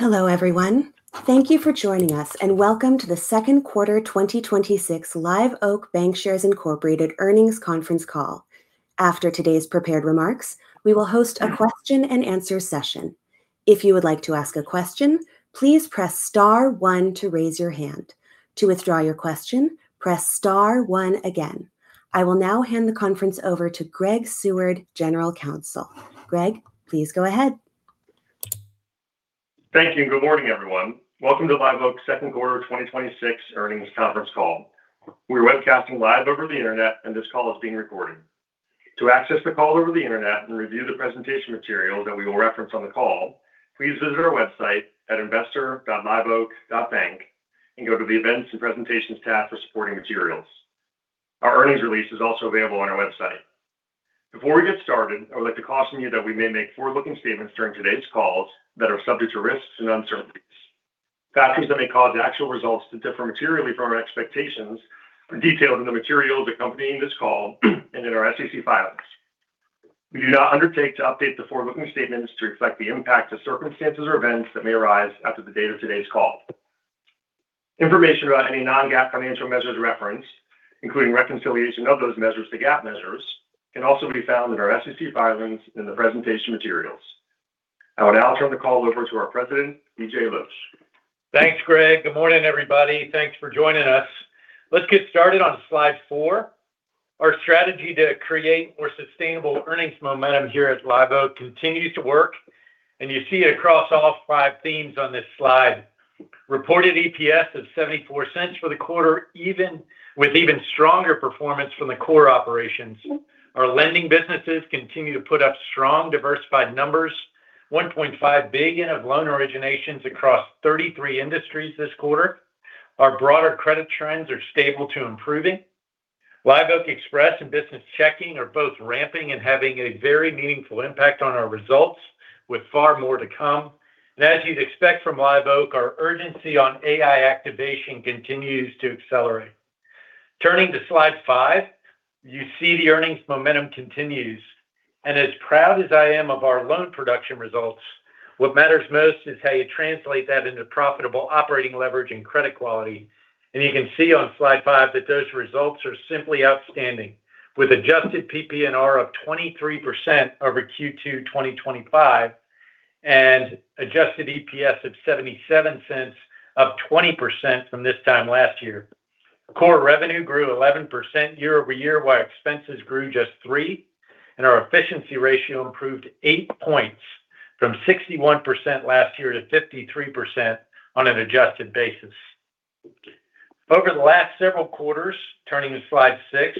Hello, everyone. Thank you for joining us, and welcome to the second quarter 2026 Live Oak Bancshares Incorporated earnings conference call. After today's prepared remarks, we will host a question and answer session. If you would like to ask a question, please press star one to raise your hand. To withdraw your question, press star one again. I will now hand the conference over to Greg Seward, General Counsel. Greg, please go ahead. Thank you. Good morning, everyone. Welcome to Live Oak's second quarter 2026 earnings conference call. We're webcasting live over the internet, and this call is being recorded. To access the call over the internet and review the presentation materials that we will reference on the call, please visit our website at investor.liveoak.bank and go to the Events and Presentations tab for supporting materials. Our earnings release is also available on our website. Before we get started, I would like to caution you that we may make forward-looking statements during today's call that are subject to risks and uncertainties. Factors that may cause actual results to differ materially from our expectations are detailed in the materials accompanying this call and in our SEC filings. We do not undertake to update the forward-looking statements to reflect the impact of circumstances or events that may arise after the date of today's call. Information about any non-GAAP financial measures referenced, including reconciliation of those measures to GAAP measures, can also be found in our SEC filings in the presentation materials. I would now turn the call over to our president, BJ Losch. Thanks, Greg. Good morning, everybody. Thanks for joining us. Let's get started on slide four. Our strategy to create more sustainable earnings momentum here at Live Oak continues to work, and you see it across all five themes on this slide. Reported EPS of $0.74 for the quarter, with even stronger performance from the core operations. Our lending businesses continue to put up strong, diversified numbers. $1.5 billion of loan originations across 33 industries this quarter. Our broader credit trends are stable to improving. Live Oak Express and business checking are both ramping and having a very meaningful impact on our results, with far more to come. As you'd expect from Live Oak, our urgency on AI activation continues to accelerate. Turning to slide five, you see the earnings momentum continues. As proud as I am of our loan production results, what matters most is how you translate that into profitable operating leverage and credit quality. You can see on slide five that those results are simply outstanding, with adjusted PPNR of 23% over Q2 2025, and adjusted EPS of $0.77, up 20% from this time last year. Core revenue grew 11% year-over-year, while expenses grew just 3%, and our efficiency ratio improved eight points from 61% last year to 53% on an adjusted basis. Over the last several quarters, turning to slide six,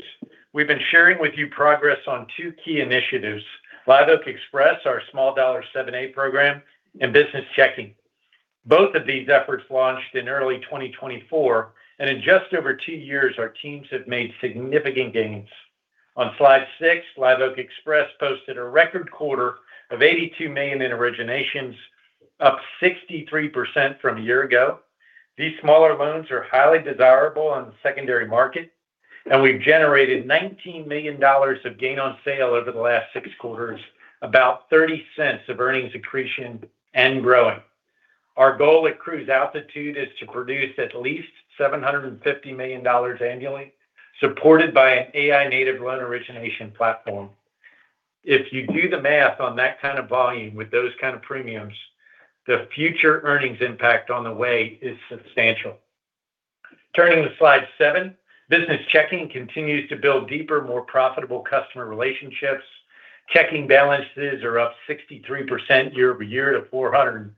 we've been sharing with you progress on two key initiatives, Live Oak Express, our small dollar SBA 7(a) program, and business checking. Both of these efforts launched in early 2024, and in just over two years, our teams have made significant gains. On slide six, Live Oak Express posted a record quarter of $82 million in originations, up 63% from a year ago. These smaller loans are highly desirable on the secondary market, and we've generated $19 million of gain on sale over the last six quarters, about $0.30 of earnings accretion and growing. Our goal at Cruise Altitude is to produce at least $750 million annually, supported by an AI-native loan origination platform. If you do the math on that kind of volume with those kind of premiums, the future earnings impact on the way is substantial. Turning to slide seven, business checking continues to build deeper, more profitable customer relationships. Checking balances are up 63% year-over-year to $469 million,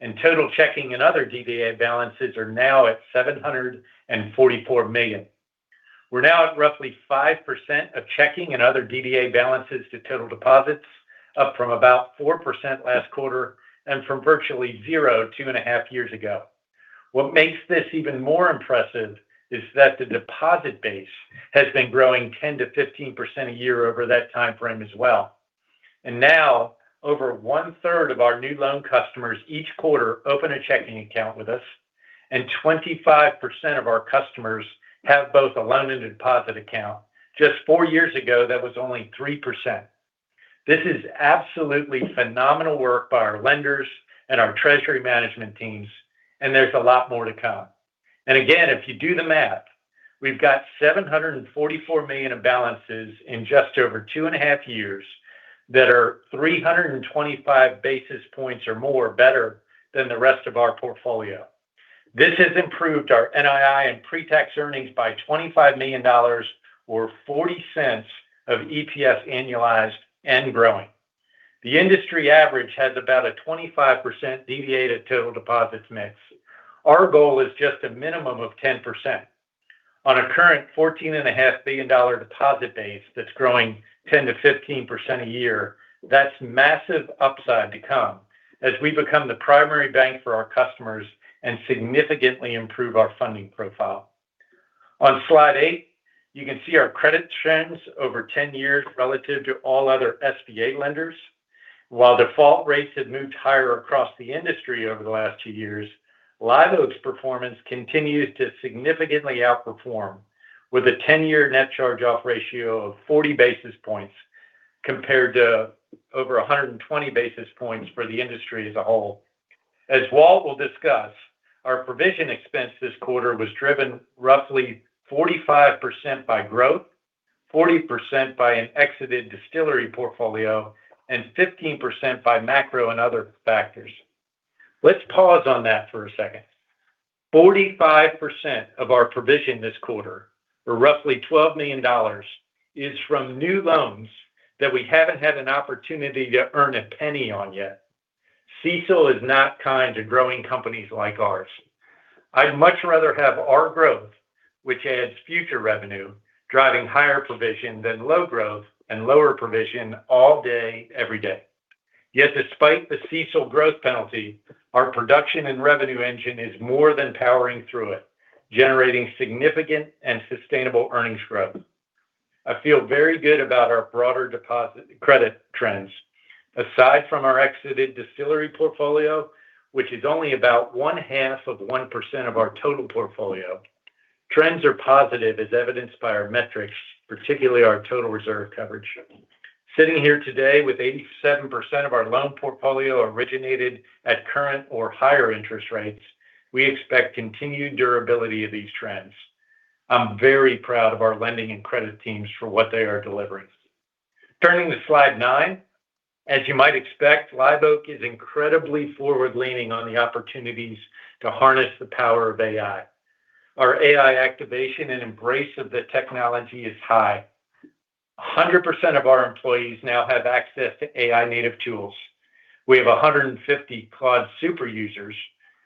and total checking and other DDA balances are now at $744 million. We're now at roughly 5% of checking and other DDA balances to total deposits, up from about 4% last quarter and from virtually zero two and a half years ago. What makes this even more impressive is that the deposit base has been growing 10%-15% a year over that timeframe as well. Now, over one-third of our new loan customers each quarter open a checking account with us, and 25% of our customers have both a loan and a deposit account. Just four years ago, that was only 3%. This is absolutely phenomenal work by our lenders and our treasury management teams, and there's a lot more to come. Again, if you do the math, we've got $744 million of balances in just over two and a half years that are 325 basis points or more better than the rest of our portfolio. This has improved our NII and pre-tax earnings by $25 million, or $0.40 of EPS annualized and growing. The industry average has about a 25% DDA to total deposits mix. Our goal is just a minimum of 10%. On a current $14.5 billion deposit base that's growing 10%-15% a year, that's massive upside to come as we become the primary bank for our customers and significantly improve our funding profile. On slide eight, you can see our credit trends over 10 years relative to all other SBA lenders. While default rates have moved higher across the industry over the last two years, Live Oak's performance continues to significantly outperform with a 10-year net charge-off ratio of 40 basis points compared to over 120 basis points for the industry as a whole. As Walt will discuss, our provision expense this quarter was driven roughly 45% by growth, 40% by an exited distillery portfolio, and 15% by macro and other factors. Let's pause on that for a second. 45% of our provision this quarter, or roughly $12 million, is from new loans that we haven't had an opportunity to earn $0.01 on yet. CECL is not kind to growing companies like ours. I'd much rather have our growth, which adds future revenue, driving higher provision than low growth and lower provision all day, every day. Yet despite the CECL growth penalty, our production and revenue engine is more than powering through it, generating significant and sustainable earnings growth. I feel very good about our broader credit trends. Aside from our exited distillery portfolio, which is only about one half of 1% of our total portfolio, trends are positive as evidenced by our metrics, particularly our total reserve coverage. Sitting here today with 87% of our loan portfolio originated at current or higher interest rates, we expect continued durability of these trends. I'm very proud of our lending and credit teams for what they are delivering. Turning to slide nine. As you might expect, Live Oak is incredibly forward-leaning on the opportunities to harness the power of AI. Our AI activation and embrace of the technology is high. 100% of our employees now have access to AI-native tools. We have 150 Claude super users,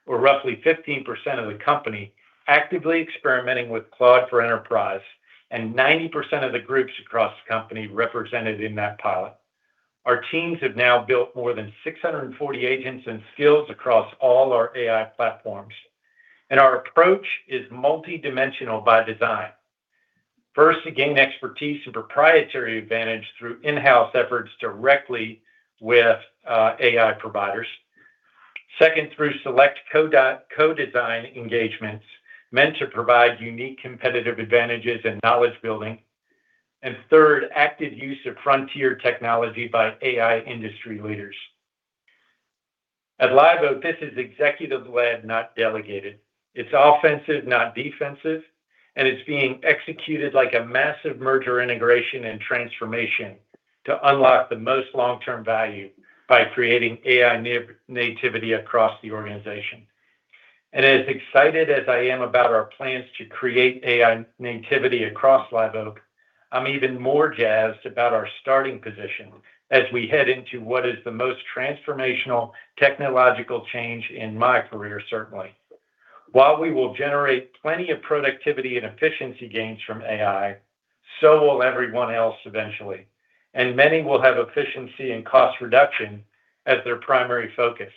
or roughly 15% of the company actively experimenting with Claude Enterprise, and 90% of the groups across the company represented in that pilot. Our teams have now built more than 640 agents and skills across all our AI platforms. Our approach is multidimensional by design. First, to gain expertise and proprietary advantage through in-house efforts directly with AI providers. Second, through select co-design engagements meant to provide unique competitive advantages and knowledge building. Third, active use of frontier technology by AI industry leaders. At Live Oak, this is executive-led, not delegated. It's offensive, not defensive, and it's being executed like a massive merger integration and transformation to unlock the most long-term value by creating AI nativity across the organization. As excited as I am about our plans to create AI nativity across Live Oak, I'm even more jazzed about our starting position as we head into what is the most transformational technological change in my career, certainly. While we will generate plenty of productivity and efficiency gains from AI, so will everyone else eventually. Many will have efficiency and cost reduction as their primary focus.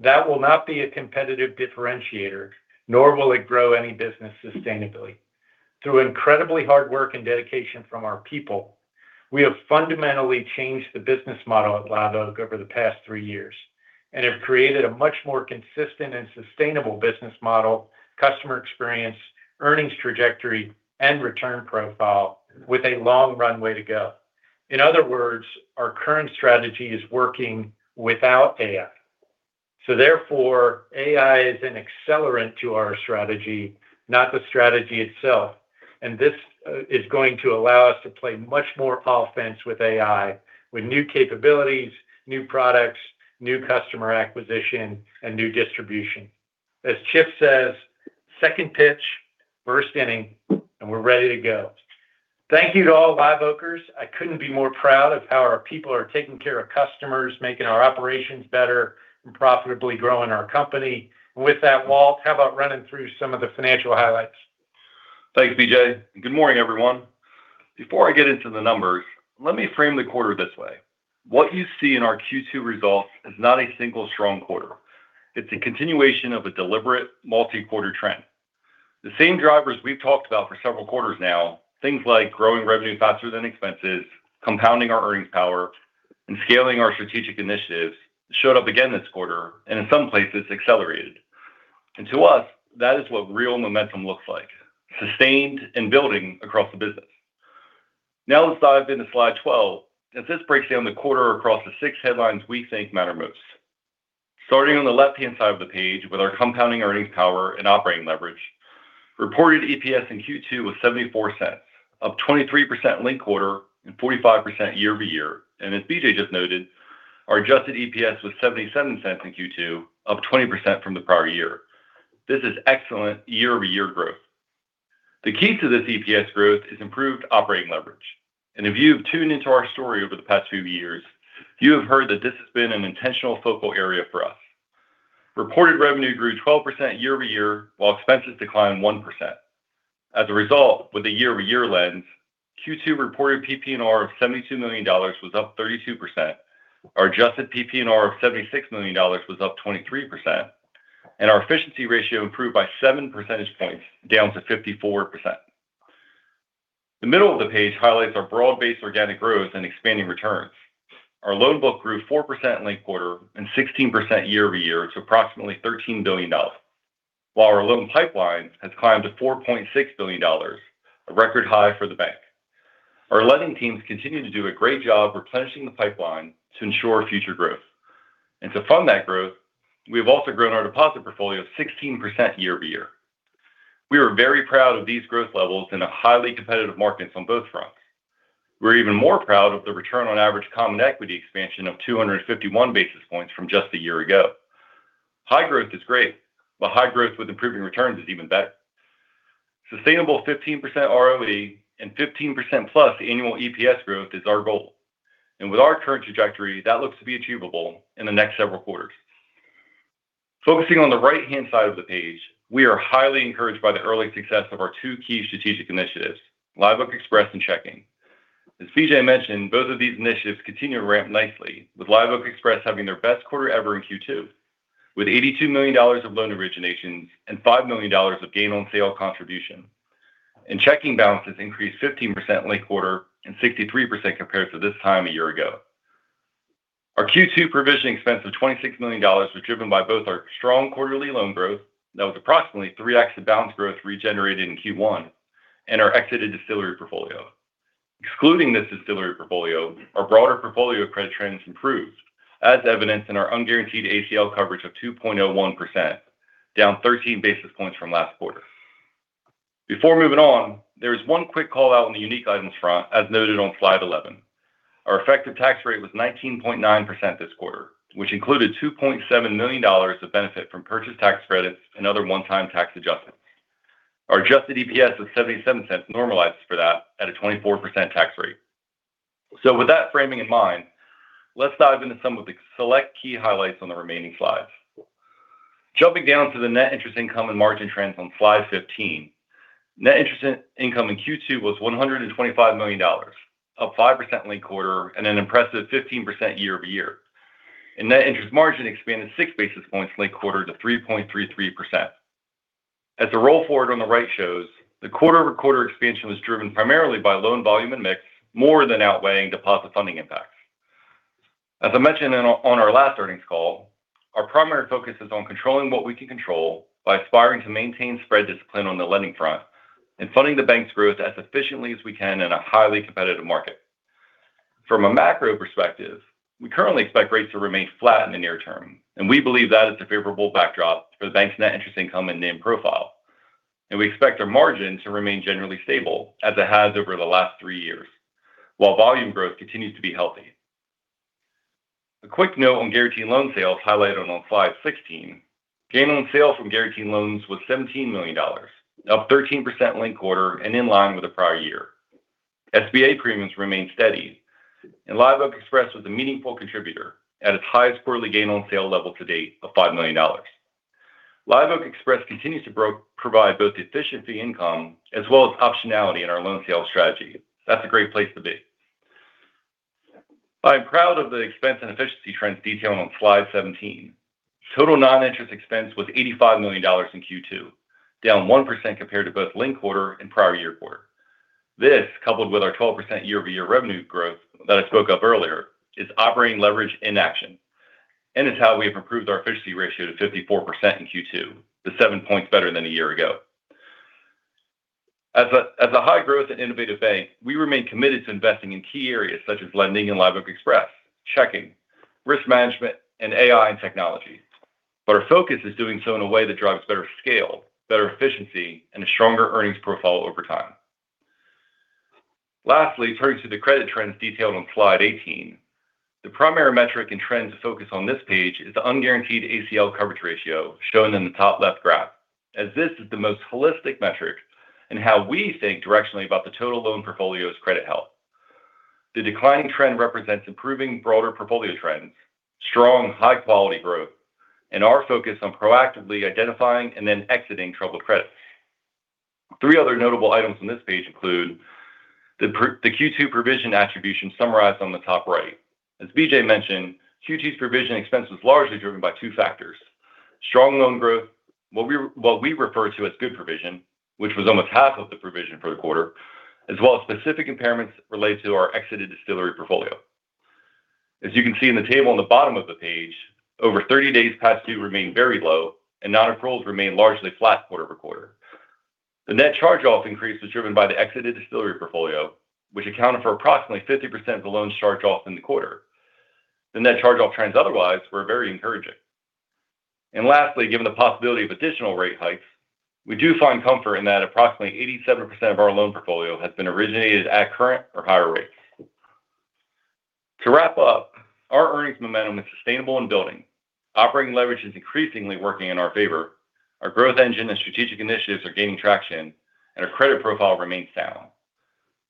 That will not be a competitive differentiator, nor will it grow any business sustainably. Through incredibly hard work and dedication from our people, we have fundamentally changed the business model at Live Oak over the past three years. Have created a much more consistent and sustainable business model, customer experience, earnings trajectory, and return profile with a long runway to go. In other words, our current strategy is working without AI. Therefore, AI is an accelerant to our strategy, not the strategy itself. This is going to allow us to play much more offense with AI, with new capabilities, new products, new customer acquisition, and new distribution. As Chip says, "Second pitch, first inning," we're ready to go. Thank you to all Live Oakers. I couldn't be more proud of how our people are taking care of customers, making our operations better, and profitably growing our company. With that, Walt, how about running through some of the financial highlights? Thanks, BJ. Good morning, everyone. Before I get into the numbers, let me frame the quarter this way. What you see in our Q2 results is not a single strong quarter. It's a continuation of a deliberate multi-quarter trend. The same drivers we've talked about for several quarters now, things like growing revenue faster than expenses, compounding our earnings power, and scaling our strategic initiatives, showed up again this quarter, and in some places accelerated. To us, that is what real momentum looks like, sustained and building across the business. Let's dive into slide 12, as this breaks down the quarter across the six headlines we think matter most. Starting on the left-hand side of the page with our compounding earnings power and operating leverage. Reported EPS in Q2 was $0.74, up 23% linked quarter and 45% year-over-year. As BJ just noted, our adjusted EPS was $0.77 in Q2, up 20% from the prior year. This is excellent year-over-year growth. The key to this EPS growth is improved operating leverage. If you have tuned into our story over the past few years, you have heard that this has been an intentional focal area for us. Reported revenue grew 12% year-over-year, while expenses declined 1%. As a result, with a year-over-year lens, Q2 reported PPNR of $72 million was up 32%. Our adjusted PPNR of $76 million was up 23%, and our efficiency ratio improved by seven percentage points, down to 54%. The middle of the page highlights our broad-based organic growth and expanding returns. Our loan book grew 4% linked quarter and 16% year-over-year to approximately $13 billion. While our loan pipeline has climbed to $4.6 billion, a record high for the bank. Our lending teams continue to do a great job replenishing the pipeline to ensure future growth. To fund that growth, we've also grown our deposit portfolio 16% year-over-year. We are very proud of these growth levels in a highly competitive market on both fronts. We're even more proud of the return on average common equity expansion of 251 basis points from just a year ago. High growth is great, but high growth with improving returns is even better. Sustainable 15% ROE and 15% plus annual EPS growth is our goal. With our current trajectory, that looks to be achievable in the next several quarters. Focusing on the right-hand side of the page, we are highly encouraged by the early success of our two key strategic initiatives, Live Oak Express and Checking. As BJ mentioned, both of these initiatives continue to ramp nicely, with Live Oak Express having their best quarter ever in Q2, with $82 million of loan originations and $5 million of gain on sale contribution. Checking balances increased 15% linked quarter and 63% compared to this time a year ago. Our Q2 provisioning expense of $26 million was driven by both our strong quarterly loan growth, that was approximately 3x of balance growth regenerated in Q1 and our exited distillery portfolio. Excluding this distillery portfolio, our broader portfolio credit trends improved, as evidenced in our unguaranteed ACL coverage of 2.01%, down 13 basis points from last quarter. Before moving on, there is one quick call-out on the unique items front, as noted on slide 11. Our effective tax rate was 19.9% this quarter, which included $2.7 million of benefit from purchase tax credits and other one-time tax adjustments. Our adjusted EPS was $0.77 normalized for that at a 24% tax rate. With that framing in mind, let's dive into some of the select key highlights on the remaining slides. Jumping down to the net interest income and margin trends on slide 15. Net interest income in Q2 was $125 million, up 5% linked quarter and an impressive 15% year-over-year. Net interest margin expanded 6 basis points linked quarter to 3.33%. As the roll forward on the right shows, the quarter-over-quarter expansion was driven primarily by loan volume and mix, more than outweighing deposit funding impacts. As I mentioned on our last earnings call, our primary focus is on controlling what we can control by aspiring to maintain spread discipline on the lending front and funding the bank's growth as efficiently as we can in a highly competitive market. From a macro perspective, we currently expect rates to remain flat in the near term, and we believe that is a favorable backdrop for the bank's net interest income and NIM profile. We expect our margin to remain generally stable as it has over the last 3 years, while volume growth continues to be healthy. A quick note on guaranteed loan sales highlighted on slide 16. Gain on sale from guaranteed loans was $17 million, up 13% linked quarter and in line with the prior year. SBA premiums remained steady. Live Oak Express was a meaningful contributor at its highest quarterly gain on sale level to date of $5 million. Live Oak Express continues to provide both efficiency income as well as optionality in our loan sale strategy. That's a great place to be. I'm proud of the expense and efficiency trends detailed on slide 17. Total non-interest expense was $85 million in Q2, down 1% compared to both linked quarter and prior year quarter. This, coupled with our 12% year-over-year revenue growth that I spoke of earlier, is operating leverage in action. It's how we have improved our efficiency ratio to 54% in Q2, to 7 points better than a year ago. As a high-growth and innovative bank, we remain committed to investing in key areas such as lending and Live Oak Express, checking, risk management, and AI and technology. Our focus is doing so in a way that drives better scale, better efficiency, and a stronger earnings profile over time. Lastly, turning to the credit trends detailed on slide eighteen. The primary metric and trend to focus on this page is the unguaranteed ACL coverage ratio shown in the top left graph, as this is the most holistic metric in how we think directionally about the total loan portfolio's credit health. The declining trend represents improving broader portfolio trends, strong high-quality growth, and our focus on proactively identifying and then exiting troubled credits. Three other notable items on this page include the Q2 provision attribution summarized on the top right. As BJ mentioned, Q2's provision expense was largely driven by two factors. Strong loan growth, what we refer to as good provision, which was almost half of the provision for the quarter, as well as specific impairments related to our exited distillery portfolio. As you can see in the table on the bottom of the page, over 30 days past due remained very low and non-approvals remained largely flat quarter-over-quarter. The net charge-off increase was driven by the exited distillery portfolio, which accounted for approximately 50% of the loans charged off in the quarter. The net charge-off trends otherwise were very encouraging. Lastly, given the possibility of additional rate hikes, we do find comfort in that approximately 87% of our loan portfolio has been originated at current or higher rates. To wrap up, our earnings momentum is sustainable and building. Operating leverage is increasingly working in our favor. Our growth engine and strategic initiatives are gaining traction, our credit profile remains sound.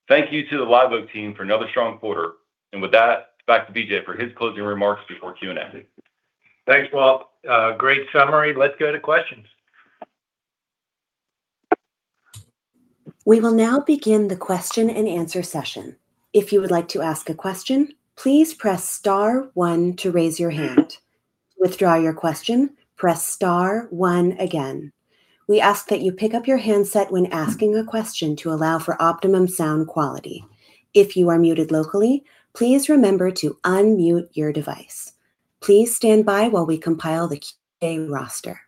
Thank you to the Live Oak team for another strong quarter. With that, back to BJ for his closing remarks before Q&A. Thanks, Walt. Great summary. Let's go to questions. We will now begin the question and answer session. If you would like to ask a question, please press star one to raise your hand. Withdraw your question, press star one again. We ask that you pick up your handset when asking a question to allow for optimum sound quality. If you are muted locally, please remember to unmute your device. Please stand by while we compile the roster.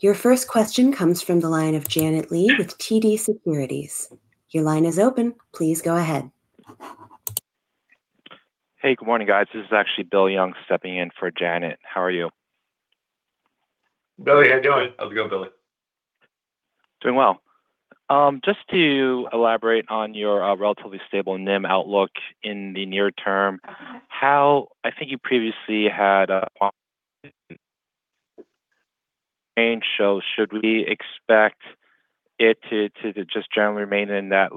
Your first question comes from the line of Janet Lee with TD Securities. Your line is open. Please go ahead. Hey, good morning, guys. This is actually Bill Young stepping in for Janet. How are you? Billy, how you doing? How's it going, Billy? Doing well. Just to elaborate on your relatively stable NIM outlook in the near term. I think you previously had a range. Should we expect it to just generally remain in that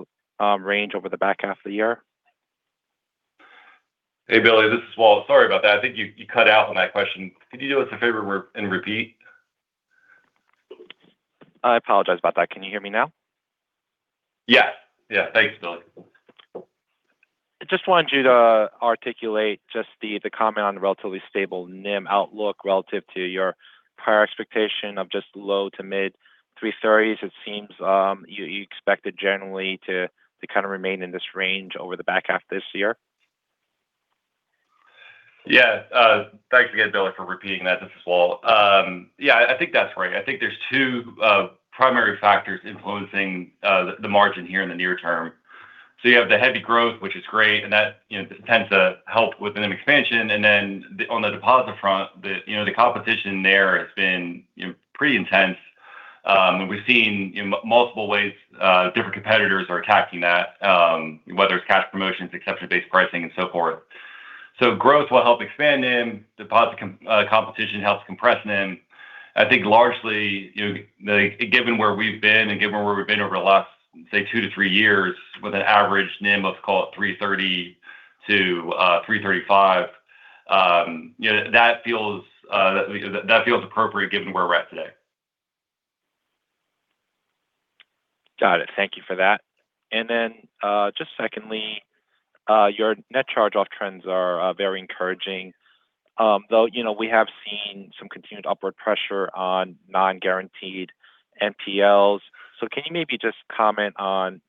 range over the back half of the year? Hey, Bill, this is Walt. Sorry about that. I think you cut out on that question. Could you do us a favor and repeat? I apologize about that. Can you hear me now? Yes. Yeah. Thanks, Billy. I just wanted you to articulate just the comment on the relatively stable NIM outlook relative to your prior expectation of just low to mid 330s. It seems you expect it generally to kind of remain in this range over the back half of this year. Yeah. Thanks again, Billy, for repeating that. This is Walt. Yeah, I think that's right. I think there's two primary factors influencing the margin here in the near term. You have the heavy growth, which is great, and that tends to help with NIM expansion. On the deposit front, the competition there has been pretty intense. We've seen in multiple ways different competitors are attacking that, whether it's cash promotions, exception-based pricing, and so forth. Growth will help expand NIM. Deposit competition helps compress NIM. I think largely, given where we've been and given where we've been over the last, say, two to three years with an average NIM, let's call it 330 to 335, that feels appropriate given where we're at today. Got it. Thank you for that. Just secondly, your net charge-off trends are very encouraging. Though we have seen some continued upward pressure on non-guaranteed NPLs. Can you maybe just comment on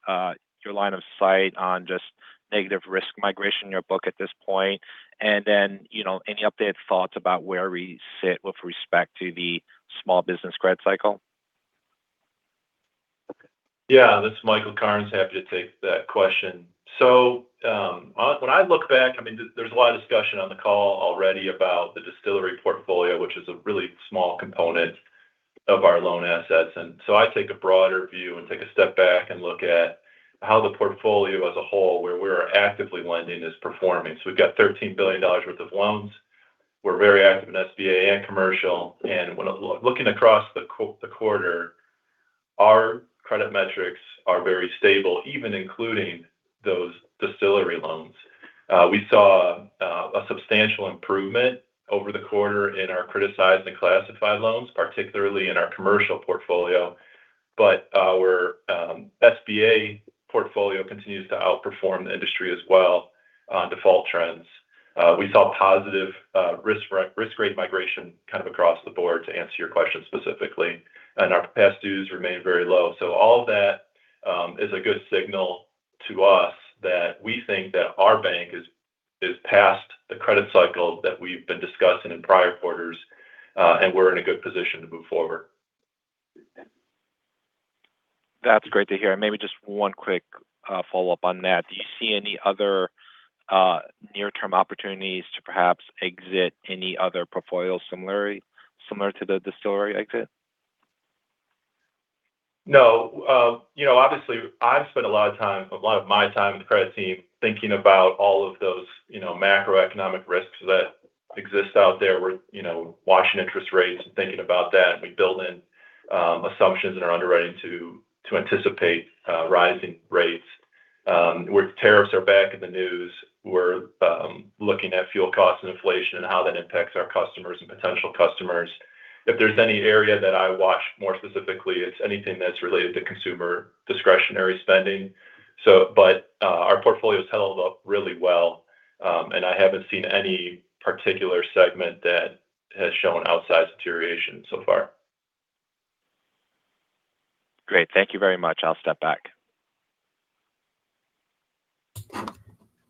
your line of sight on just negative risk migration in your book at this point? Any updated thoughts about where we sit with respect to the small business credit cycle? This is Michael Karnes. Happy to take that question. When I look back, there's a lot of discussion on the call already about the distillery portfolio, which is a really small component of our loan assets. I take a broader view and take a step back and look at how the portfolio as a whole, where we're actively lending, is performing. We've got $13 billion worth of loans. We're very active in SBA and commercial. Looking across the quarter, our credit metrics are very stable, even including those distillery loans. We saw a substantial improvement over the quarter in our criticized and classified loans, particularly in our commercial portfolio. Our SBA portfolio continues to outperform the industry as well on default trends. We saw positive risk rate migration kind of across the board, to answer your question specifically. Our past dues remain very low. All of that is a good signal to us that we think that our bank is past the credit cycle that we've been discussing in prior quarters, and we're in a good position to move forward. That's great to hear. Maybe just one quick follow-up on that. Do you see any other near-term opportunities to perhaps exit any other portfolios similar to the distillery exit? Obviously, I've spent a lot of my time in the credit team thinking about all of those macroeconomic risks that exist out there. We're watching interest rates and thinking about that, and we build in assumptions in our underwriting to anticipate rising rates. Tariffs are back in the news. We're looking at fuel costs and inflation and how that impacts our customers and potential customers. If there's any area that I watch more specifically, it's anything that's related to consumer discretionary spending. Our portfolio's held up really well, and I haven't seen any particular segment that has shown outsized deterioration so far. Great. Thank you very much. I'll step back.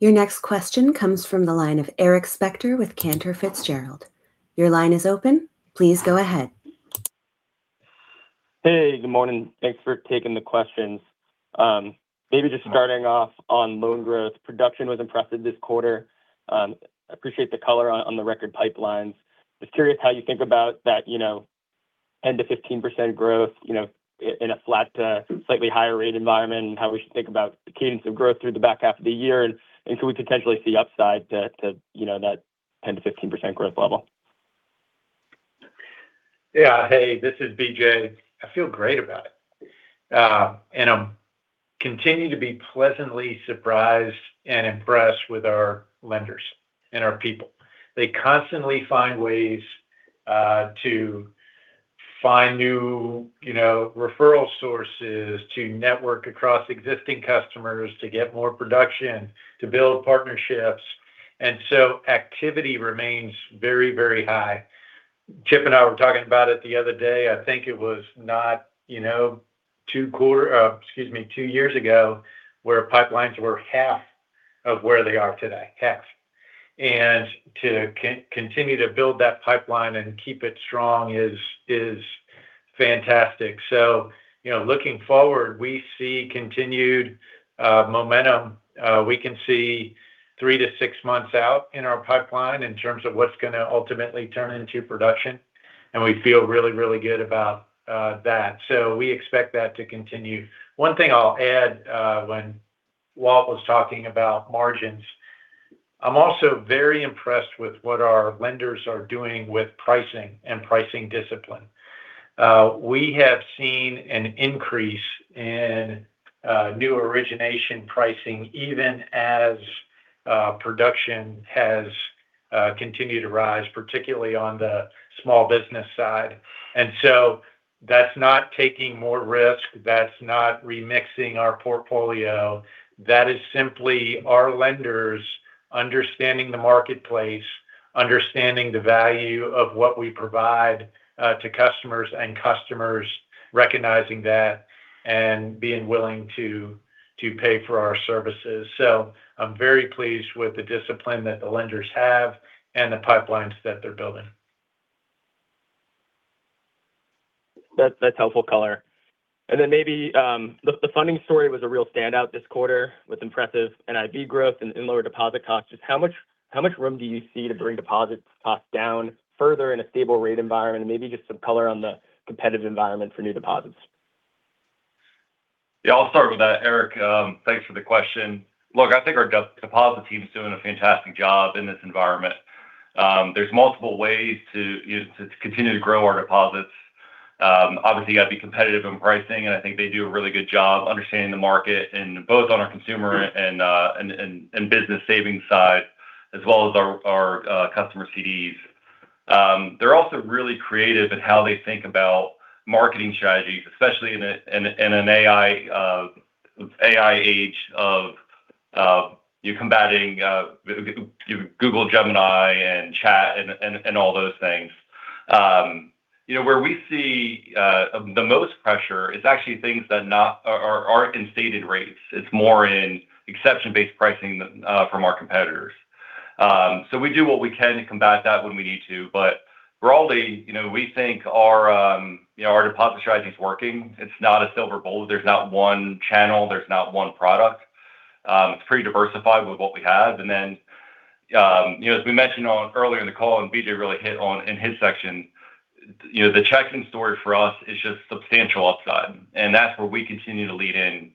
Your next question comes from the line of Eric Spector with Cantor Fitzgerald. Your line is open. Please go ahead. Hey, good morning. Thanks for taking the questions. Maybe just starting off on loan growth. Production was impressive this quarter. Appreciate the color on the record pipelines. Just curious how you think about that 10%-15% growth in a flat to slightly higher rate environment, and how we should think about the cadence of growth through the back half of the year, and could we potentially see upside to that 10%-15% growth level? Yeah. Hey, this is BJ. I feel great about it. I continue to be pleasantly surprised and impressed with our lenders and our people. They constantly find ways to find new referral sources to network across existing customers, to get more production, to build partnerships. Activity remains very high. Chip and I were talking about it the other day. I think it was not two years ago where pipelines were half of where they are today. Half. To continue to build that pipeline and keep it strong is fantastic. Looking forward, we see continued momentum. We can see three to six months out in our pipeline in terms of what's going to ultimately turn into production, and we feel really good about that. We expect that to continue. One thing I'll add, when Walt was talking about margins. I'm also very impressed with what our lenders are doing with pricing and pricing discipline. We have seen an increase in new origination pricing, even as production has continued to rise, particularly on the small business side. That's not taking more risk. That's not remixing our portfolio. That is simply our lenders understanding the marketplace, understanding the value of what we provide to customers, and customers recognizing that and being willing to pay for our services. I'm very pleased with the discipline that the lenders have and the pipelines that they're building. That's helpful color. Maybe the funding story was a real standout this quarter with impressive NII growth and lower deposit costs. Just how much room do you see to bring deposit costs down further in a stable rate environment? Maybe just some color on the competitive environment for new deposits. Yeah. I'll start with that, Eric. Thanks for the question. Look, I think our deposit team's doing a fantastic job in this environment. There's multiple ways to continue to grow our deposits. Obviously, you got to be competitive in pricing. I think they do a really good job understanding the market and both on our consumer and business savings side as well as our customer CDs. They're also really creative in how they think about marketing strategies, especially in an AI age of you combating Google Gemini and Chat and all those things. Where we see the most pressure is actually things that aren't in stated rates. It's more in exception-based pricing from our competitors. We do what we can to combat that when we need to. Broadly, we think our deposit strategy's working. It's not a silver bullet. There's not one channel. There's not one product. It's pretty diversified with what we have. As we mentioned earlier in the call and BJ really hit on in his section, the checking story for us is just substantial upside, and that's where we continue to lead in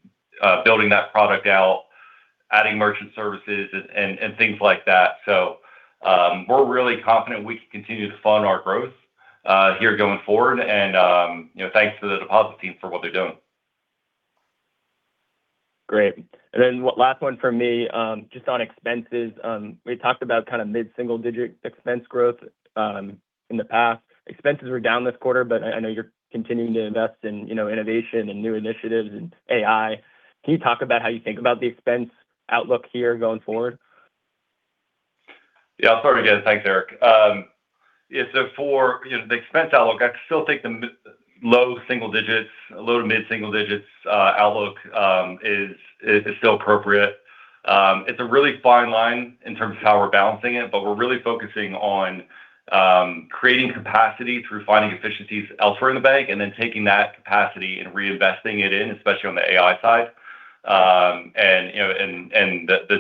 building that product out, adding merchant services and things like that. We're really confident we can continue to fund our growth here going forward. Thanks to the deposit team for what they're doing. Great. Last one from me, just on expenses. We talked about mid-single digit expense growth in the past. Expenses were down this quarter, but I know you're continuing to invest in innovation and new initiatives and AI. Can you talk about how you think about the expense outlook here going forward? Yeah, I'll start again. Thanks, Eric. For the expense outlook, I still think the low single digits, low to mid-single digits outlook is still appropriate. It's a really fine line in terms of how we're balancing it, but we're really focusing on creating capacity through finding efficiencies elsewhere in the bank and then taking that capacity and reinvesting it in, especially on the AI side. The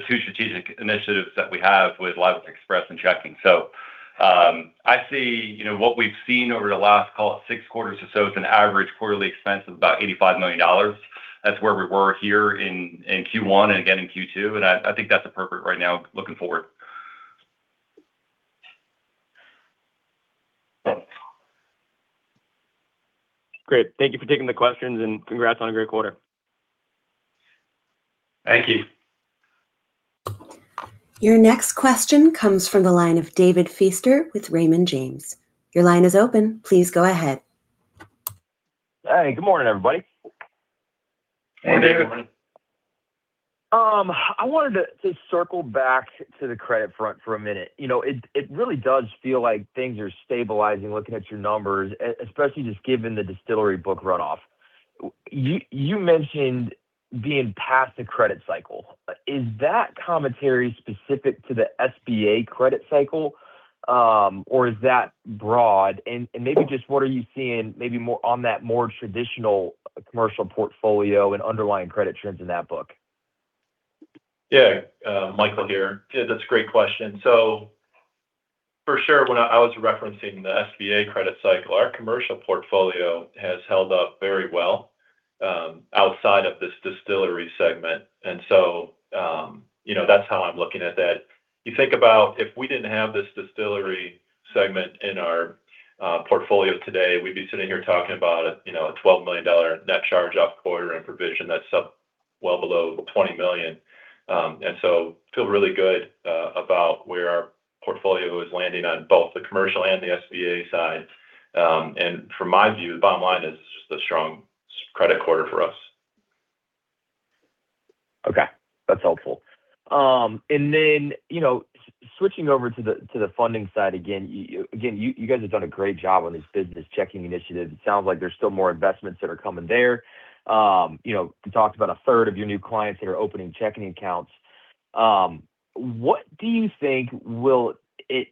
two strategic initiatives that we have with Live Oak Express and checking. I see what we've seen over the last six quarters or so is an average quarterly expense of about $85 million. That's where we were here in Q1 and again in Q2, and I think that's appropriate right now looking forward. Great. Thank you for taking the questions, and congrats on a great quarter. Thank you. Your next question comes from the line of David Feaster with Raymond James. Your line is open. Please go ahead. Hey, good morning, everybody. Hey, David. Morning. I wanted to circle back to the credit front for a minute. It really does feel like things are stabilizing, looking at your numbers, especially just given the distillery book runoff. You mentioned being past the credit cycle. Is that commentary specific to the SBA credit cycle, or is that broad? Maybe just what are you seeing maybe more on that more traditional commercial portfolio and underlying credit trends in that book? Michael here. Yeah, that's a great question. For sure, when I was referencing the SBA credit cycle, our commercial portfolio has held up very well outside of this distillery segment. That's how I'm looking at that. You think about if we didn't have this distillery segment in our portfolio today, we'd be sitting here talking about a $12 million net charge off quarter and provision. That's well below $20 million. Feel really good about where our portfolio is landing on both the commercial and the SBA side. From my view, the bottom line is it's just a strong credit quarter for us. Okay. That's helpful. Switching over to the funding side again. You guys have done a great job on these business checking initiatives. It sounds like there's still more investments that are coming there. You talked about a third of your new clients that are opening checking accounts. What do you think it's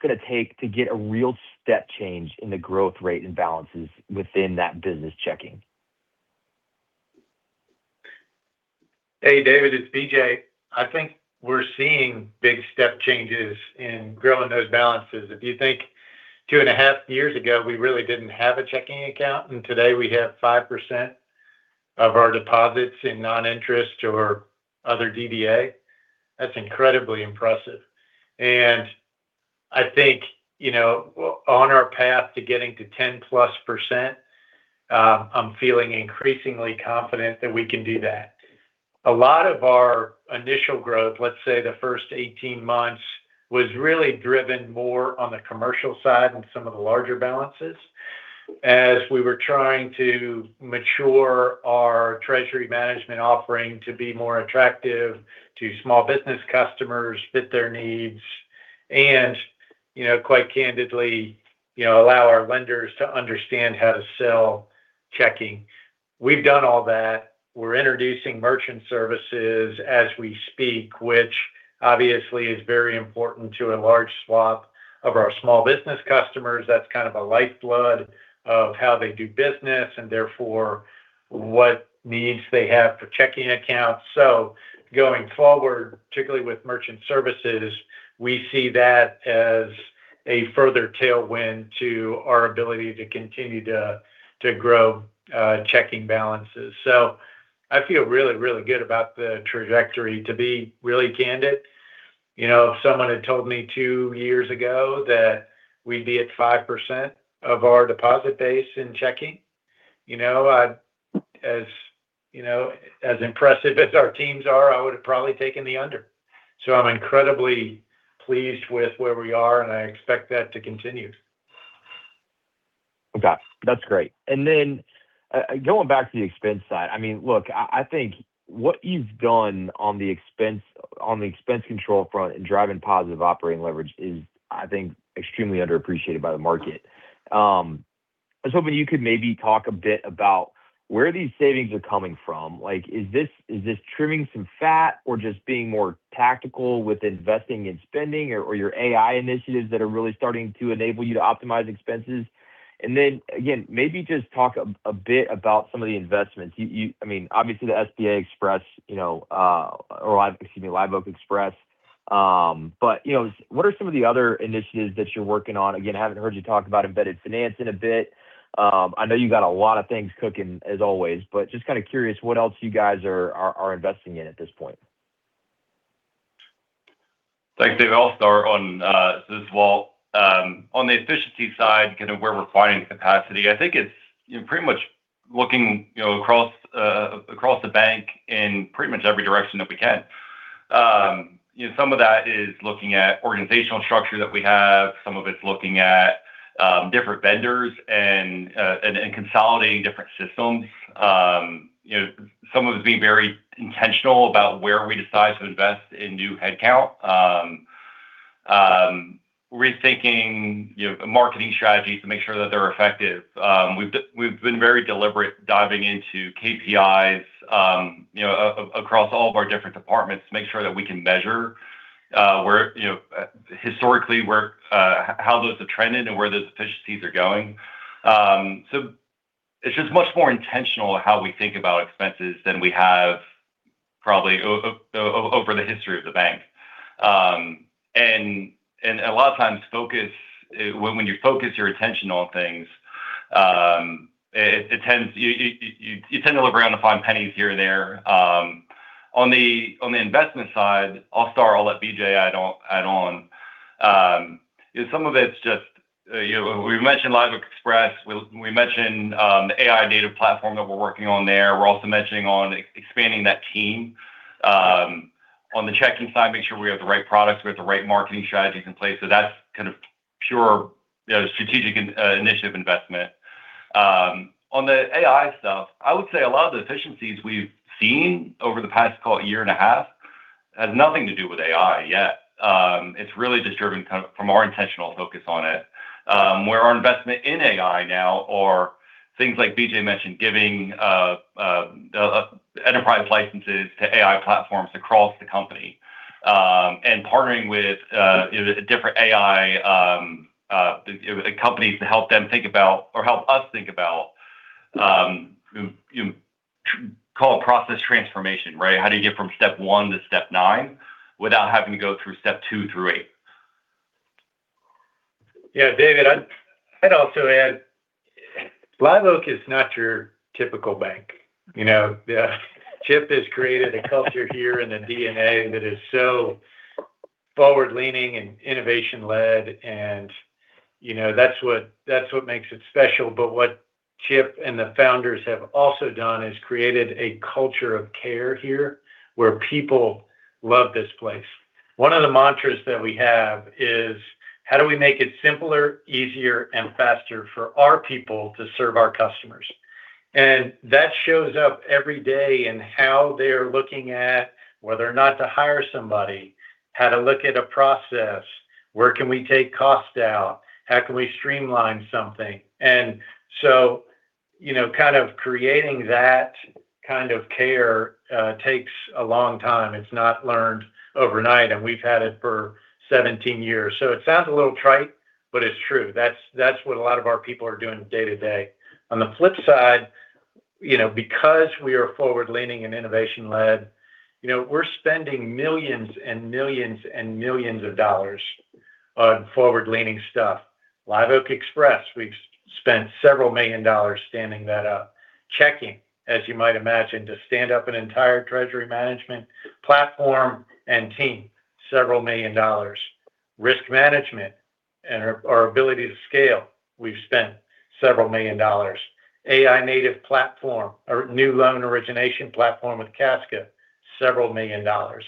going to take to get a real step change in the growth rate and balances within that business checking? Hey, David, it's BJ. I think we're seeing big step changes in growing those balances. If you think two and a half years ago, we really didn't have a checking account, and today we have 5% of our deposits in non-interest or other DDA. That's incredibly impressive. I think, on our path to getting to 10-plus percent, I'm feeling increasingly confident that we can do that. A lot of our initial growth, let's say the first 18 months, was really driven more on the commercial side and some of the larger balances as we were trying to mature our treasury management offering to be more attractive to small business customers, fit their needs, and quite candidly allow our lenders to understand how to sell checking. We've done all that. We're introducing merchant services as we speak, which obviously is very important to a large swath of our small business customers. That's kind of a lifeblood of how they do business and therefore what needs they have for checking accounts. Going forward, particularly with merchant services, we see that as a further tailwind to our ability to continue to grow checking balances. I feel really, really good about the trajectory to be really candid. If someone had told me two years ago that we'd be at 5% of our deposit base in checking, as impressive as our teams are, I would have probably taken the under. I'm incredibly pleased with where we are, and I expect that to continue. Okay. That's great. Going back to the expense side, look, I think what you've done on the expense control front and driving positive operating leverage is, I think, extremely underappreciated by the market. I was hoping you could maybe talk a bit about where these savings are coming from. Is this trimming some fat or just being more tactical with investing and spending or your AI initiatives that are really starting to enable you to optimize expenses? Again, maybe just talk a bit about some of the investments. Obviously the SBA Express or excuse me, Live Oak Express. What are some of the other initiatives that you're working on? Again, I haven't heard you talk about embedded finance in a bit. I know you got a lot of things cooking as always, just kind of curious what else you guys are investing in at this point. Thanks, David. I'll start on this. On the efficiency side, kind of where we're finding capacity, I think it's pretty much looking across the bank in pretty much every direction that we can. Some of that is looking at organizational structure that we have. Some of it's looking at different vendors and consolidating different systems. Some of it's being very intentional about where we decide to invest in new headcount. Rethinking marketing strategies to make sure that they're effective. We've been very deliberate diving into KPIs across all of our different departments to make sure that we can measure historically how those have trended and where those efficiencies are going. It's just much more intentional how we think about expenses than we have probably over the history of the bank. A lot of times when you focus your attention on things, you tend to look around to find pennies here or there. On the investment side, I'll start, I'll let BJ add on. Some of it's just we mentioned Live Oak Express, we mentioned the AI-native platform that we're working on there. We're also mentioning on expanding that team. On the checking side, make sure we have the right products, we have the right marketing strategies in place. That's kind of pure strategic initiative investment. On the AI stuff, I would say a lot of the efficiencies we've seen over the past call it a year and a half, has nothing to do with AI yet. It's really just driven from our intentional focus on it. Where our investment in AI now or things like BJ mentioned, giving enterprise licenses to AI platforms across the company, and partnering with different AI companies to help them think about or help us think about call it process transformation, right? How do you get from step 1 to step 9 without having to go through step 2 through 8? David, I'd also add Live Oak is not your typical bank. Chip has created a culture here and a DNA that is so forward-leaning and innovation-led, and that's what makes it special. What Chip and the founders have also done is created a culture of care here where people love this place. One of the mantras that we have is: how do we make it simpler, easier, and faster for our people to serve our customers? That shows up every day in how they're looking at whether or not to hire somebody, how to look at a process, where can we take costs out, how can we streamline something. Creating that kind of care takes a long time. It's not learned overnight, and we've had it for 17 years. It sounds a little trite, but it's true. That's what a lot of our people are doing day to day. On the flip side, because we are forward-leaning and innovation-led, we're spending millions and millions and millions of dollars on forward-leaning stuff. Live Oak Express, we've spent several million dollars standing that up. Checking, as you might imagine, to stand up an entire treasury management platform and team, several million dollars. Risk management and our ability to scale, we've spent several million dollars. AI-native platform, our new loan origination platform with Casca, several million dollars.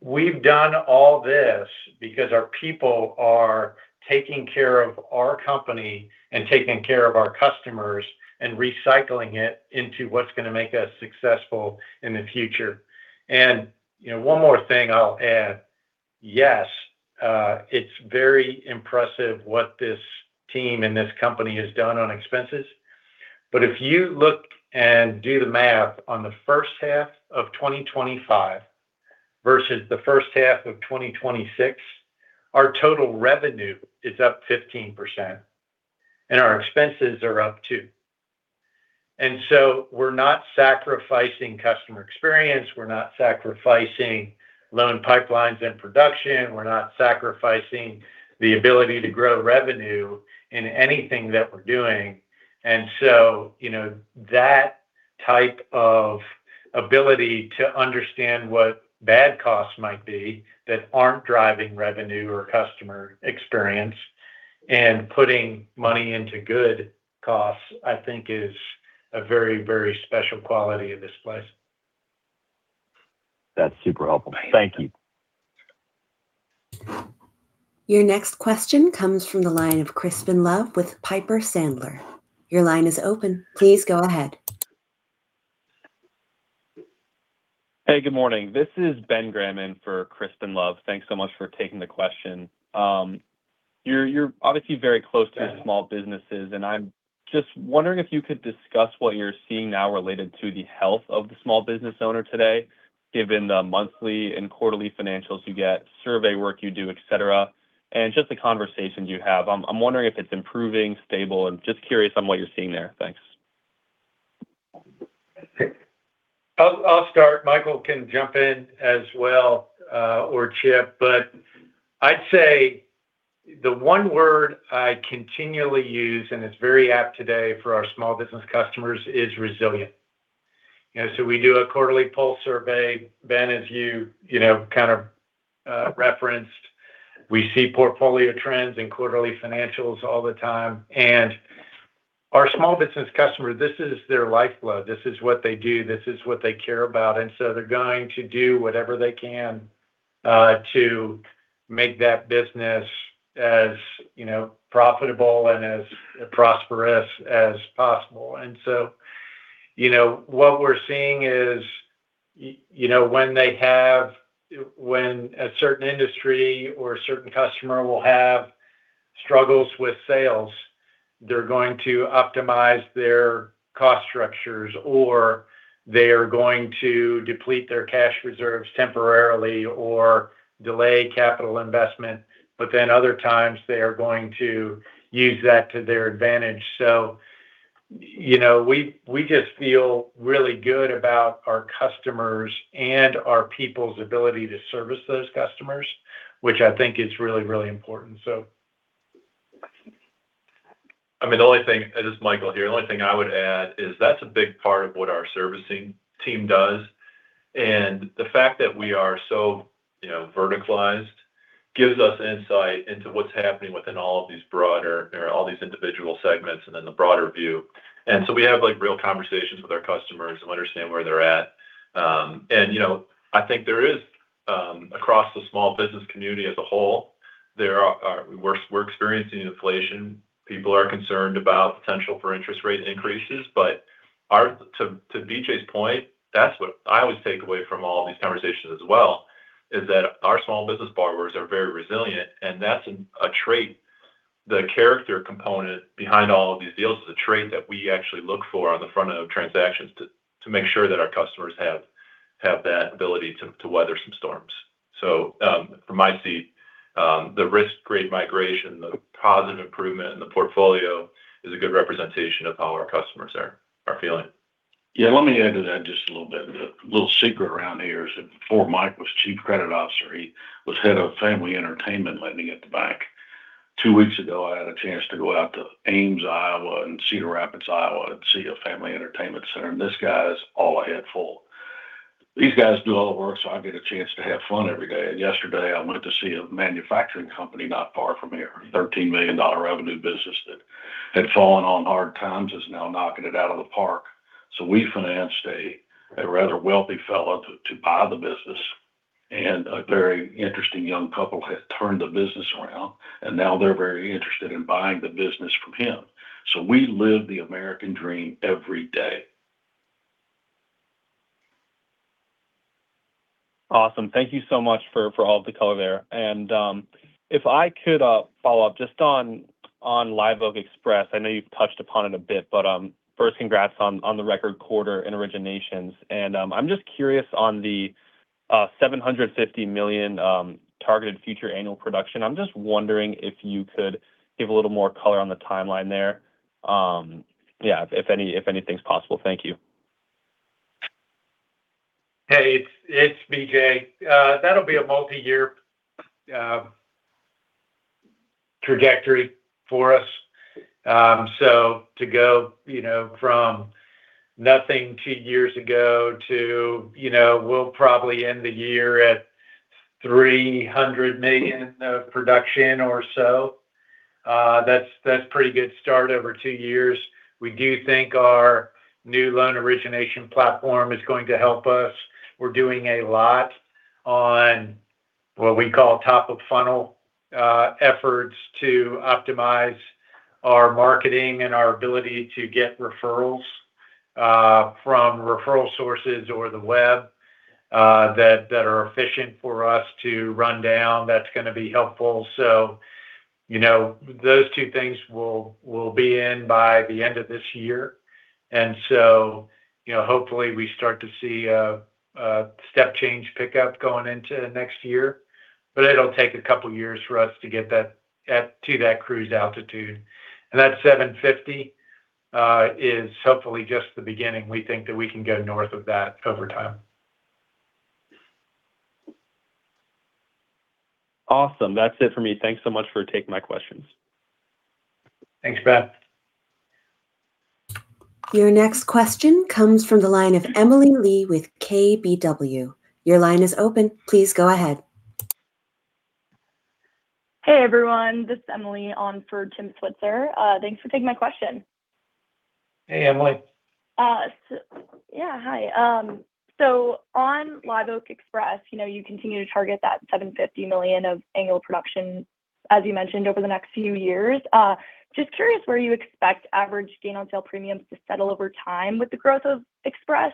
We've done all this because our people are taking care of our company and taking care of our customers and recycling it into what's going to make us successful in the future. One more thing I'll add. Yes, it's very impressive what this team and this company has done on expenses. If you look and do the math on the first half of 2025 versus the first half of 2026, our total revenue is up 15%, and our expenses are up too. We're not sacrificing customer experience, we're not sacrificing loan pipelines and production, we're not sacrificing the ability to grow revenue in anything that we're doing. That type of ability to understand what bad costs might be that aren't driving revenue or customer experience and putting money into good costs, I think is a very special quality of this place. That's super helpful. Thank you. Your next question comes from the line of Crispin Love with Piper Sandler. Your line is open. Please go ahead. Hey, good morning. This is Ben Gramen for Crispin Love. Thanks so much for taking the question. You're obviously very close to small businesses, and I'm just wondering if you could discuss what you're seeing now related to the health of the small business owner today, given the monthly and quarterly financials you get, survey work you do, et cetera, and just the conversations you have. I'm wondering if it's improving, stable, and just curious on what you're seeing there. Thanks. I'll start. Michael can jump in as well, or Chip. I'd say the one word I continually use, and it's very apt today for our small business customers, is resilient. We do a quarterly pulse survey. Ben, as you kind of referenced, we see portfolio trends and quarterly financials all the time. Our small business customer, this is their lifeblood. This is what they do. This is what they care about. They're going to do whatever they can to make that business as profitable and as prosperous as possible. What we're seeing is when a certain industry or a certain customer will have struggles with sales, they're going to optimize their cost structures, or they are going to deplete their cash reserves temporarily, or delay capital investment. Other times, they are going to use that to their advantage. We just feel really good about our customers and our people's ability to service those customers, which I think is really important. This is Michael here. The only thing I would add is that's a big part of what our servicing team does, and the fact that we are so verticalized gives us insight into what's happening within all these individual segments and then the broader view. We have real conversations with our customers and understand where they're at. I think there is, across the small business community as a whole, we're experiencing inflation. People are concerned about potential for interest rate increases. To BJ's point, that's what I always take away from all these conversations as well, is that our small business borrowers are very resilient, and that's a trait. The character component behind all of these deals is a trait that we actually look for on the front end of transactions to make sure that our customers have that ability to weather some storms. From my seat, the risk grade migration, the positive improvement in the portfolio is a good representation of how our customers are feeling. Let me add to that just a little bit. The little secret around here is that before Mike was Chief Credit Officer, he was head of family entertainment lending at the bank. Two weeks ago, I had a chance to go out to Ames, Iowa, and Cedar Rapids, Iowa, to see a family entertainment center. This guy is all I had full. These guys do all the work, I get a chance to have fun every day. Yesterday, I went to see a manufacturing company not far from here, a $13 million revenue business that had fallen on hard times, is now knocking it out of the park. We financed a rather wealthy fellow to buy the business, and a very interesting young couple has turned the business around, and now they're very interested in buying the business from him. We live the American dream every day. Awesome. Thank you so much for all of the color there. If I could follow up just on Live Oak Express. I know you've touched upon it a bit, but first congrats on the record quarter in originations. I'm just curious on the $750 million targeted future annual production. I'm just wondering if you could give a little more color on the timeline there. If anything's possible. Thank you. Hey, it's BJ. That'll be a multi-year trajectory for us. To go from nothing two years ago to we'll probably end the year at $300 million of production or so. That's pretty good start over two years. We do think our new loan origination platform is going to help us. We're doing a lot on what we call top-of-funnel efforts to optimize our marketing and our ability to get referrals from referral sources or the web that are efficient for us to run down. That's going to be helpful. Those two things will be in by the end of this year. Hopefully we start to see a step change pickup going into next year, but it'll take a couple of years for us to get to that cruise altitude. That $750 is hopefully just the beginning. We think that we can go north of that over time. Awesome. That's it for me. Thanks so much for taking my questions. Thanks, Ben. Your next question comes from the line of Emily Lee with KBW. Your line is open. Please go ahead. Hey, everyone, this is Emily on for Tim Switzer. Thanks for taking my question. Hey, Emily. Hi. On Live Oak Express, you continue to target that $750 million of annual production, as you mentioned, over the next few years. Just curious where you expect average gain on sale premiums to settle over time with the growth of Express,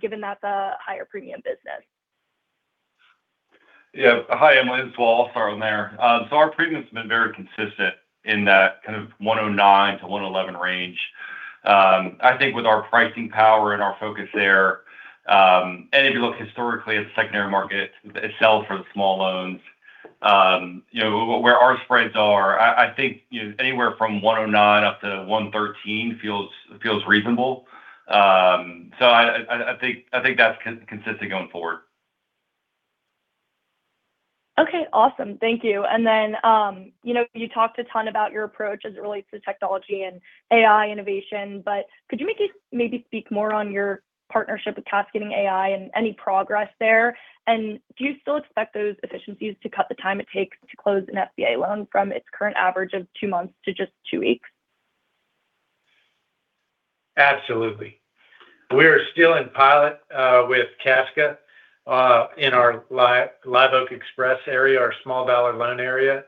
given that's a higher premium business. Hi, Emily, this is Walt. I'll start on there. Our premium's been very consistent in that kind of 109-111 range. I think with our pricing power and our focus there, if you look historically at the secondary market, it sells for the small loans. Where our spreads are, I think anywhere from 109-113 feels reasonable. I think that's consistent going forward. Okay, awesome. Thank you. You talked a ton about your approach as it relates to technology and AI innovation, but could you maybe speak more on your partnership with Cascading AI and any progress there? Do you still expect those efficiencies to cut the time it takes to close an SBA loan from its current average of two months to just two weeks? Absolutely. We are still in pilot with Casca in our Live Oak Express area, our small dollar loan area.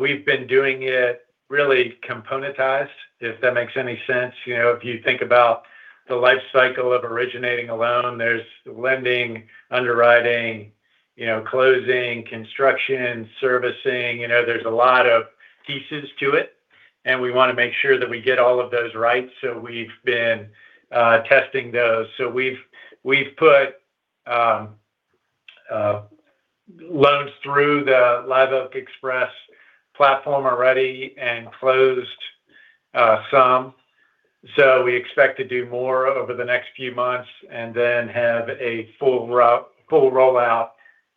We've been doing it really componentized, if that makes any sense. If you think about the life cycle of originating a loan, there's lending, underwriting, closing, construction, servicing. There's a lot of pieces to it, and we want to make sure that we get all of those right. We've been testing those. We've put loans through the Live Oak Express platform already and closed some. We expect to do more over the next few months and then have a full rollout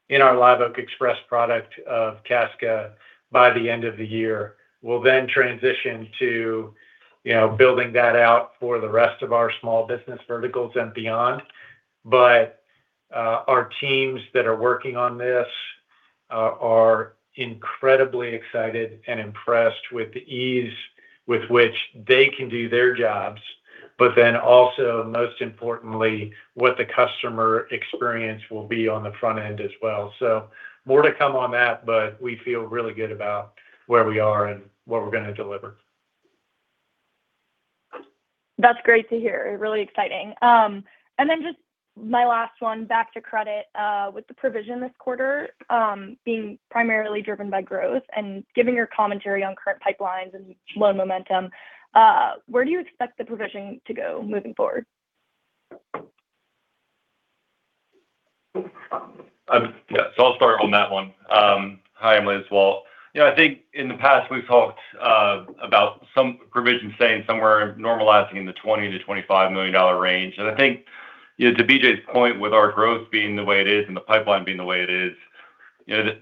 in our Live Oak Express product of Casca by the end of the year. We'll transition to building that out for the rest of our small business verticals and beyond. Our teams that are working on this are incredibly excited and impressed with the ease with which they can do their jobs, but then also most importantly, what the customer experience will be on the front end as well. More to come on that, but we feel really good about where we are and what we're going to deliver. That's great to hear. Really exciting. Just my last one, back to credit. With the provision this quarter being primarily driven by growth and given your commentary on current pipelines and loan momentum, where do you expect the provision to go moving forward? Yeah. I'll start on that one. Hi, Emily Lee, this is Walt. I think in the past we've talked about some provisions staying somewhere normalizing in the $20 million to $25 million range. I think to BJ's point, with our growth being the way it is and the pipeline being the way it is,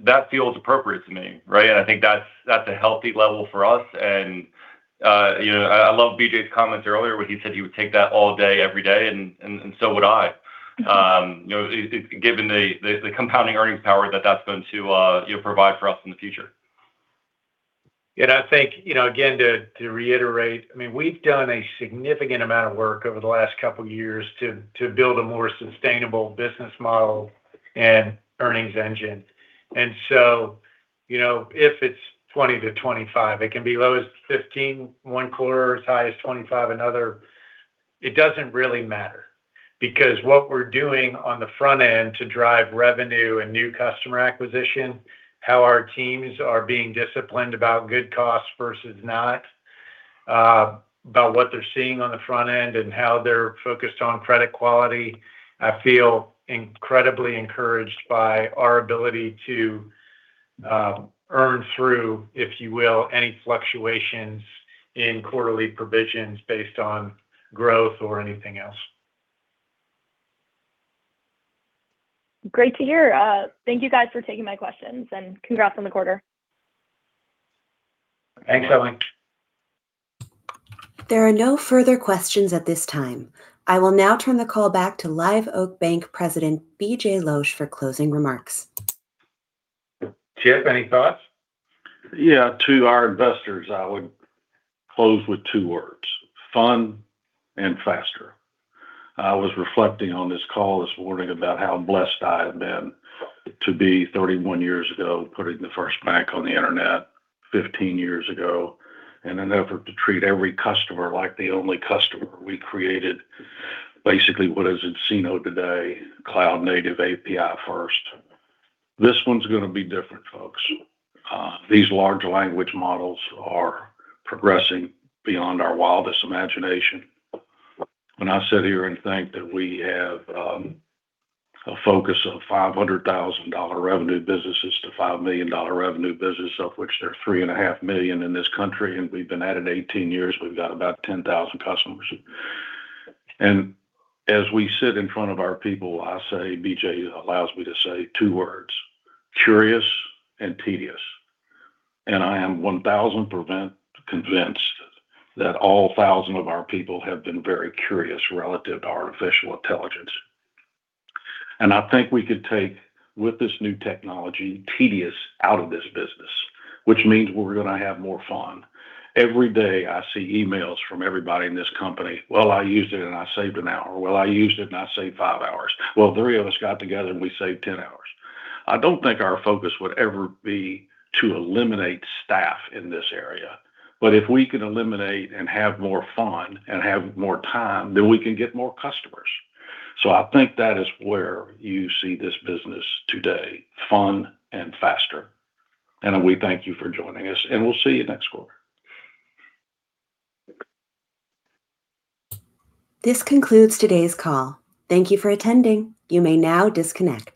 that feels appropriate to me, right? I think that's a healthy level for us, and I love BJ's comments earlier when he said he would take that all day, every day, and so would I. Given the compounding earnings power that's going to provide for us in the future. I think, again, to reiterate, we've done a significant amount of work over the last couple of years to build a more sustainable business model and earnings engine. If it's $20 million to $25 million, it can be as low as $15 million one quarter, as high as $25 million another. It doesn't really matter because what we're doing on the front end to drive revenue and new customer acquisition, how our teams are being disciplined about good costs versus not, about what they're seeing on the front end, and how they're focused on credit quality. I feel incredibly encouraged by our ability to earn through, if you will, any fluctuations in quarterly provisions based on growth or anything else. Great to hear. Thank you guys for taking my questions, and congrats on the quarter. Thanks, Emily. There are no further questions at this time. I will now turn the call back to Live Oak Bank President, BJ Losch, for closing remarks. Chip, any thoughts? Yeah, to our investors, I would close with two words, fun and faster. I was reflecting on this call this morning about how blessed I have been to be 31 years ago, putting the first bank on the internet 15 years ago in an effort to treat every customer like the only customer. We created basically what is nCino today, cloud native API first. This one's going to be different, folks. These large language models are progressing beyond our wildest imagination. When I sit here and think that we have a focus of $500,000 revenue businesses to $5 million revenue business, of which there are 3.5 million in this country, we've been at it 18 years, we've got about 10,000 customers. As we sit in front of our people, I say, BJ allows me to say two words, curious and tedious. I am 1,000% convinced that all 1,000 of our people have been very curious relative to artificial intelligence. I think we could take with this new technology, tedious out of this business, which means we're going to have more fun. Every day I see emails from everybody in this company. "Well, I used it and I saved an hour." "Well, I used it and I saved five hours." "Well, three of us got together and we saved 10 hours." I don't think our focus would ever be to eliminate staff in this area, if we can eliminate and have more fun and have more time, then we can get more customers. I think that is where you see this business today, fun and faster. We thank you for joining us, and we'll see you next quarter. This concludes today's call. Thank you for attending. You may now disconnect.